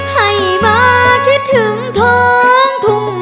ให้มาคิดถึงท้องทุ่งเมือง